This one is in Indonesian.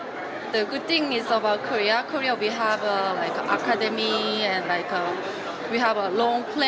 seperti yang dilakukan oleh korea selatan pada setiap sektor hiburannya